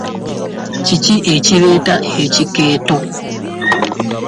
Kiki ekireeta ekikeeto?